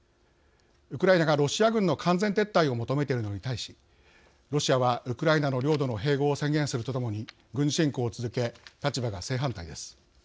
ウクライナがロシア軍の完全撤退を求めているのに対しロシアはウクライナの領土の併合を宣言するとともに軍事侵攻を続け立場が正反対です。